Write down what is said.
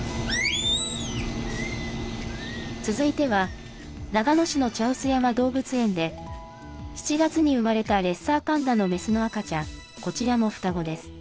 続いては、長野市の茶臼山動物園で、７月に産まれたレッサーパンダの雌の赤ちゃん、こちらも双子です。